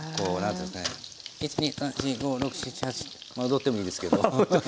踊ってもいいですけど。